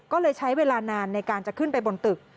ก็เลยใช้เวลานานในการจะขึ้นไปบนตึก